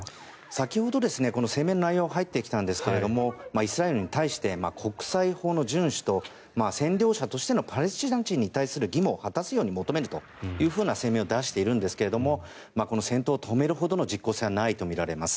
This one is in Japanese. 先ほど声明の内容が入ってきたんですがイスラエルに対して国際法の順守と占領者としてのパレスチナ人に対する義務を果たすように求めるという声明を出しているんですがこの戦闘を止めるほどの実効性はないとみられます。